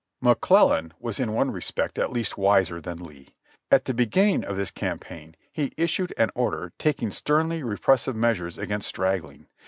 McClellan was in one resj^ect at least wiser than Lee. At the beginning of this campaign he issued an order taking sternly re pressive measures against straggling.